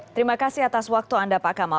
terima kasih atas waktu anda pak kamal